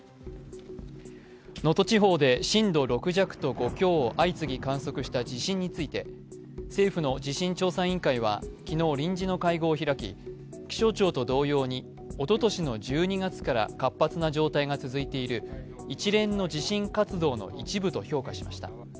能登地方で震度６弱と５強を相次ぎ観測した地震について政府の地震調査委員会は昨日、臨時の会合を開き気象庁と同様に、おととしの１２月から活発な状態が続いている一連の地震活動の一部と評価しました。